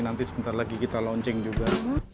nanti sebentar lagi kita launching juga